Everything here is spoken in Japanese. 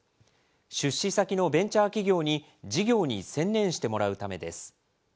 出資先のベンチャー企業に、事業に専念してもらうためです。